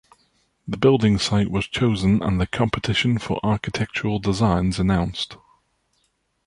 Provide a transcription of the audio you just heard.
The building site was chosen and the competition for the architectural designs announced.